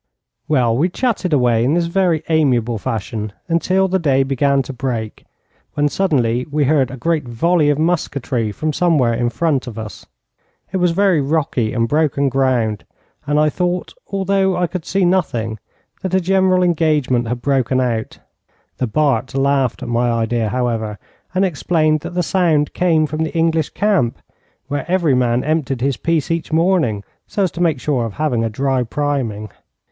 Well, we chatted away in this very amiable fashion until the day began to break, when suddenly we heard a great volley of musketry from somewhere in front of us. It was very rocky and broken ground, and I thought, although I could see nothing, that a general engagement had broken out. The Bart laughed at my idea, however, and explained that the sound came from the English camp, where every man emptied his piece each morning so as to make sure of having a dry priming.